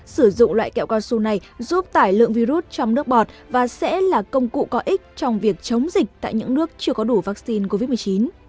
sử dụng loại kẹo cao su này giúp tải lượng virus trong nước bọt và sẽ là công cụ có ích trong việc chống dịch tại những nước chưa có đủ vaccine covid một mươi chín